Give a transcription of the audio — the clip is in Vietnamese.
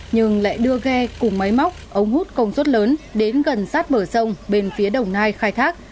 nhưng lại đưa ghe cùng máy móc ống hút công suất lớn đến gần sát bờ sông bên phía đồng nai khai thác